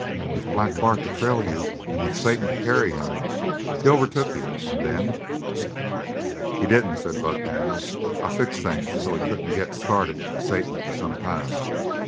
"With Black Bart to trail you and with Satan to carry him, he overtook you and then " "He didn't," said Buck Daniels. "I'd fixed things so's he couldn't get started with Satan for some time.